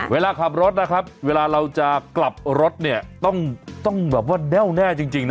เวลาขับรถนะครับเวลาเราจะกลับรถเนี่ยต้องแบบว่าแน่วแน่จริงนะ